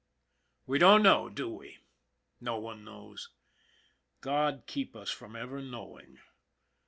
We don't know, do we ? No one knows. God keep us from ever knowing.